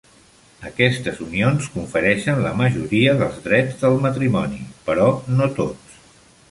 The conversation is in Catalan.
Aquestes unions confereixen la majoria dels drets del matrimoni, però no tots.